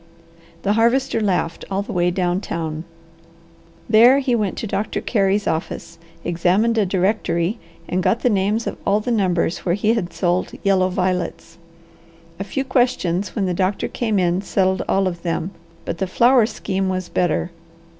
The Harvester laughed all the way down town. There he went to Doctor Carey's office, examined a directory, and got the names of all the numbers where he had sold yellow violets. A few questions when the doctor came in settled all of them, but the flower scheme was better.